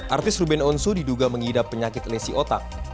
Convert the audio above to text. artis ruben onsu diduga mengidap penyakit lesi otak